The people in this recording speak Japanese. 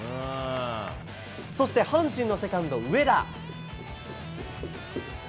そして阪神のセカンド、植田。